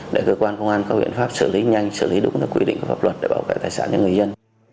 để cơ quan công an có biện pháp xử lý nhanh xử lý đúng theo quy định của pháp luật để bảo vệ tài sản cho người dân